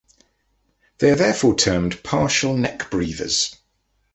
They are therefore termed partial neck breathers.